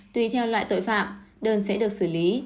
tùy theo loại tội phạm đơn sẽ được xử lý